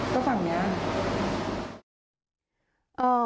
ก็ฝั่งขาของฉันก็คือฝั่งนี้